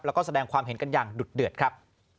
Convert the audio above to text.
แล้วก็แสดงความเห็นกันอย่างดุดเดือดครับ